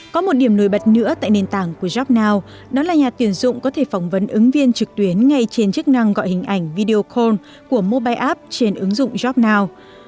có một điểm nổi bật nữa tại nền tảng của jobnow đó là nhà tuyển dụng có thể phỏng vấn ứng viên trực tuyến ngay trên chức năng gọi hình ảnh video call của mobile app trên ứng dụng jobnow